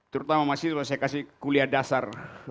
terutama masih kalau saya kasih kuliah dasar